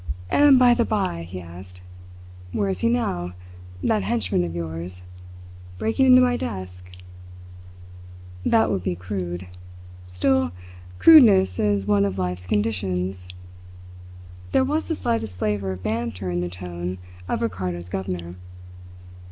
"And by the by," he asked, "where is he now, that henchman of yours? Breaking into my desk?" "That would be crude. Still, crudeness is one of life's conditions." There was the slightest flavour of banter in the tone of Ricardo's governor.